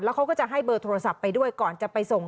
เขาก็จะให้เบอร์โทรศัพท์ไปด้วยก่อนจะไปส่ง